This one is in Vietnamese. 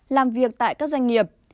làm việc tại các doanh nghiệp